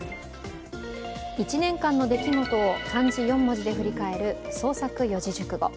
１年間の出来事を漢字４文字で振り返る創作四字熟語。